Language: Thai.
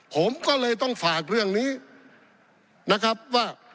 ผมก็เลยต้องฝากเรื่องนี้นะครับว่า